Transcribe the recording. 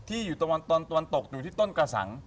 อยู่ตะวันตกอยู่ที่ต้นกระสัง